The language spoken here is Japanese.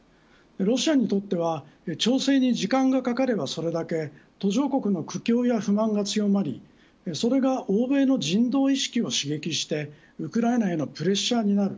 ロシアにとっては調整に時間がかかればそれだけ途上国の苦境や不満が強まりそれが欧米の人道意識を刺激してウクライナへのプレッシャーになる。